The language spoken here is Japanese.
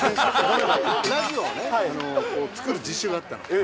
ラジオを作る実習があった。